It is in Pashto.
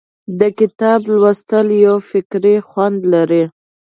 د کتاب لوستل یو فکري خوند لري.